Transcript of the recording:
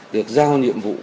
được giao nhiệm vụ